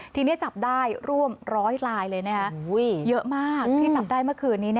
ทีนี้จับได้ร่วมร้อยลายเลยเยอะมากที่จับได้เมื่อคืนนี้